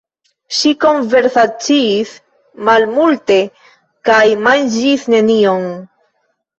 Ŝi konversaciis malmulte kaj manĝis nenion.